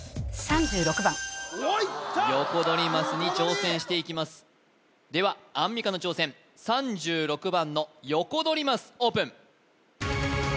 おおいったヨコドリマスに挑戦していきますではアンミカの挑戦３６番のヨコドリマスオープン